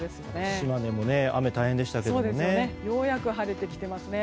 島根も雨大変でしたけどね。